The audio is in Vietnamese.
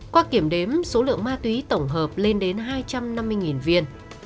qua kiểm đếm số lượng ma túy tổng hợp lên đến hai trăm năm mươi viên